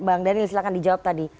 bang daniel silahkan dijawab tadi